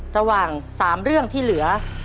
ระหว่าง๓เรื่องที่เหลือ